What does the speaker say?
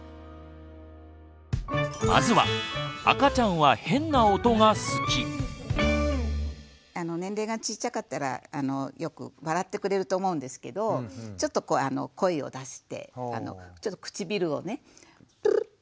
まずは年齢がちっちゃかったらよく笑ってくれると思うんですけどちょっと声を出してちょっと唇をね。